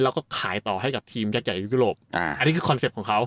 แล้วก็ขายต่อให้กับทีมยักษ์ใหญ่ในยุคยุโรปอ่าอันนี้คือคอนเซ็ปต์ของเขา